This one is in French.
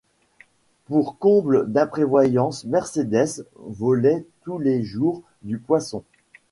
Pour comble d’imprévoyance, Mercédès volait tous les jours du poisson.